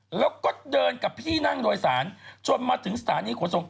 แล้วก็เดินกับพี่นั่งโดยสารจนมาถึงสถานีขนส่ง